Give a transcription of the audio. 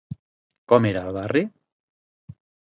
Com era el barri?